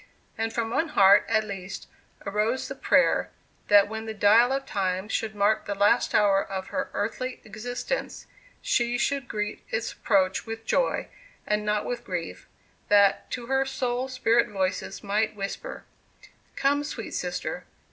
And from one heart, at least, arose the prayer, that when the dial of time should mark the last hour of her earthly existence, she should greet its approach with joy and not with grief that to her soul spirit voices might whisper, 'Come, sweet sister!